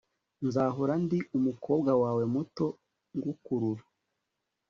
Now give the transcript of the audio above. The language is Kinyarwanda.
nzahora ndi umukobwa wawe muto, ngukurura